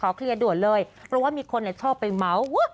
ขอเคลียร์ด่วนเลยเพราะว่ามีคนชอบใส่เม้าซ์ว้ะ